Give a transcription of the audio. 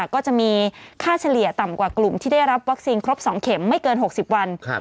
ก็จะมีค่าเฉลี่ยต่ำกว่ากลุ่มที่ได้รับวัคซีนครบ๒เข็มไม่เกิน๖๐วัน